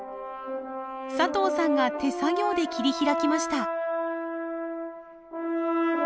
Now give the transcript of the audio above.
佐藤さんが手作業で切り拓きました。